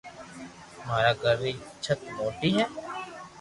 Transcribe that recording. مارآ گھر ري چت موتي ھي